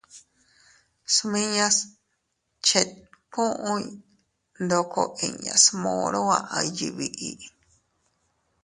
Smiñas chetkuy ndoko inñas moro aʼay yiʼi biʼi.